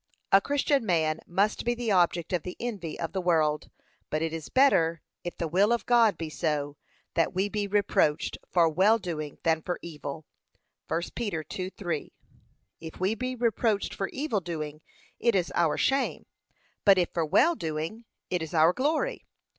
A Christian man must be the object of the envy of the world; but it is better, if the will of God be so, that we be reproached for well doing than for evil. (1 Peter 2:3) If we be reproached for evil doing, it is our shame; but if for well doing, it is our glory.